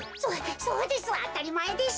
そそうです。